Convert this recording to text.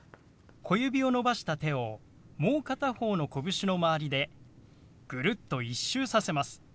小指を伸ばした手をもう片方のこぶしの周りでぐるっと１周させます。